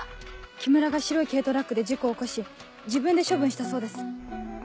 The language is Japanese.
木村が白い軽トラックで事故を起こし自分で処分したそうです。